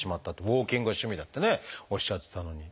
ウォーキングが趣味だっておっしゃってたのに。